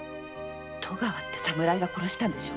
戸川って侍が殺したんでしょ？